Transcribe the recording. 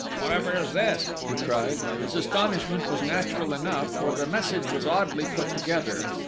"Whatever is this?" he cried. His astonishment was natural enough, for the message was oddly put together.